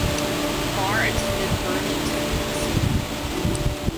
Maher attended Burlington High School.